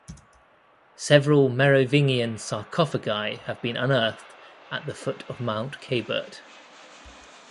Several Merovingian sarcophagi have been unearthed at the foot of Mount Cabert.